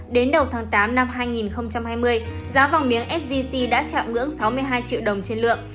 đến đầu tháng tám năm hai nghìn hai mươi giá vàng miếng sgc đã chạm ngưỡng sáu mươi hai triệu